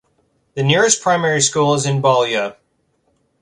The nearest primary school is in Boulia.